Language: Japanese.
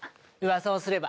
噂をすれば。